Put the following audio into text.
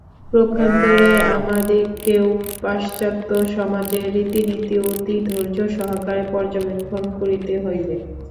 পক্ষান্তরে আমাদিগকেও পাশ্চাত্য সমাজের রীতিনীতি অতি ধৈর্যসহকারে পর্যবেক্ষণ করিতে হইবে।